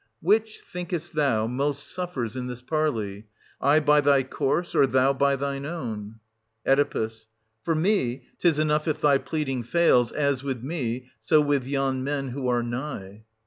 Which, thinkest thou, most suffers in this parley, — I by thy course, or thou by thine own ? Oe. For me, 'tis enough if thy pleading fails, as with me, so with yon men who are nigh.